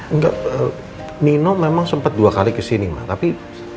enggak nino memang sempet dua kali kesini ma tapi